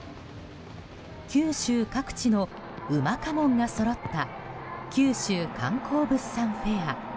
九州各地のうまかもんがそろった九州観光・物産フェア。